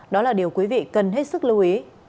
đó là điều quý vị cần hết sức lưu ý